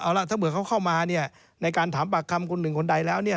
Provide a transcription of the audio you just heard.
เอาล่ะถ้าเมื่อเขาเข้ามาในการถามปากคำคนหนึ่งคนใดแล้ว